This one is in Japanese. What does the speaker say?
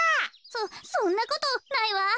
そそんなことないわ。